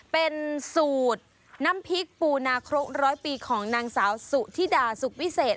เป็นสูตรน้ำพริกปูนาครกร้อยปีของนางสาวสุธิดาสุขวิเศษ